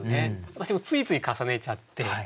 私もついつい重ねちゃって。